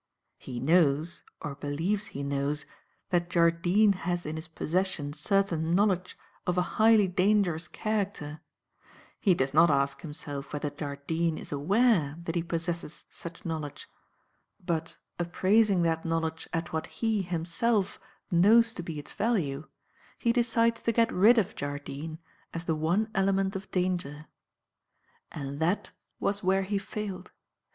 He knows, or believes he knows, that Jardine has in his possession certain knowledge of a highly dangerous character; he does not ask himself whether Jardine is aware that he possesses such knowledge, but, appraising that knowledge at what he, himself, knows to be its value, he decides to get rid of Jardine as the one element of danger. And that was where he failed.